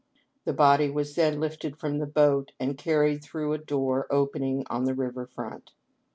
The body was then lifted from the boat and carried through a door opening on the river front.